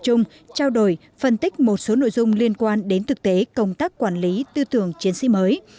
chung trao đổi phân tích một số nội dung liên quan đến thực tế công tác quản lý tư tưởng chiến sĩ mới